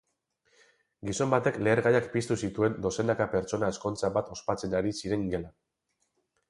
Gizon batek lehergaiak piztu zituen dozenaka pertsona ezkontza bat ospatzen ari ziren gelan.